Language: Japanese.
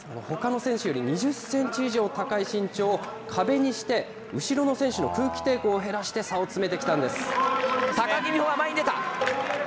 ほかの選手より２０センチ以上高い身長を壁にして、後ろの選手の空気抵抗を減らして差を詰めてき高木美帆が前に出た。